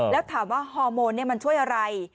แล้วถามว่าฮอร์โมนมันช่วยอะไร